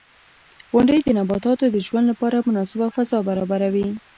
• غونډۍ د نباتاتو د ژوند لپاره مناسبه فضا برابروي.